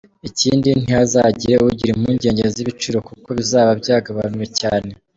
Ikindi, ntihazagire ugira impungenge z’ibiciro kuko bizaba byagabanuwe cyane.